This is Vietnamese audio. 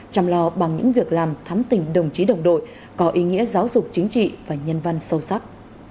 chăm lo bằng những việc làm thắm tình đồng chí đồng đội có ý nghĩa giáo dục chính trị và nhân văn sâu sắc